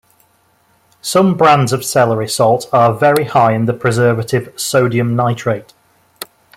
Some brands of celery salt are very high in the preservative sodium nitrate.